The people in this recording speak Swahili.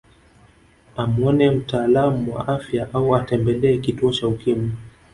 Amuone mtaalamu wa afya au atembelee kituo cha Ukimwi